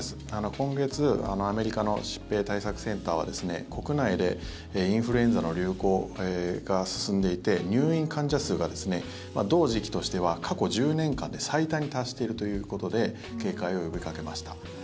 今月アメリカの疾病対策センターは国内でインフルエンザの流行が進んでいて入院患者数が同時期としては過去１０年間で最多に達しているということで警戒を呼びかけました。